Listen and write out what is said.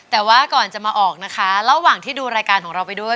แต่ว่าก่อนจะมาออกนะคะระหว่างที่ดูรายการของเราไปด้วย